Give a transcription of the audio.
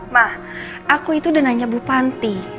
ma aku itu udah nanya bu panti